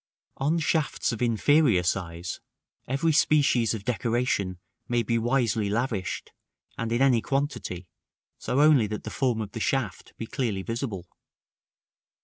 On shafts of inferior size, every species of decoration may be wisely lavished, and in any quantity, so only that the form of the shaft be clearly visible.